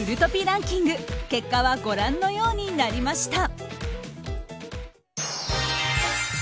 ランキング結果はご覧のようになりました。